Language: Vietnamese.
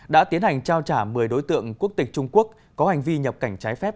đã tiến hành trao trả một mươi đối tượng quốc tịch trung quốc có hành vi nhập cảnh trái phép